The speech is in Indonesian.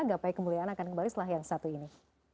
gapai kemuliaan akan kembali setelah yang satu ini